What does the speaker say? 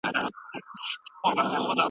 مجرد سره واده باید هدفونه له منځه یوسي نه.